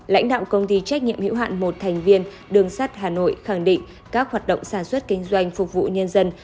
lãnh đạo công ty trách nhiệm hữu hạn một thành viên đường sắt hà nội khẳng định các hoạt động sản xuất kinh doanh phục vụ nhân dân